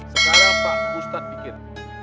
sekarang pak ustadz pikir